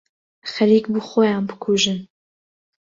خەریک بوو خۆیان بکوژن.